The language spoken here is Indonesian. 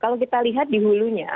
kalau kita lihat di hulunya